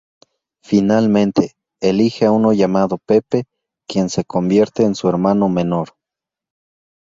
Finalmente, elige a uno llamado Pepe, quien se convierte en su "hermano menor".